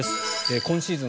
今シーズン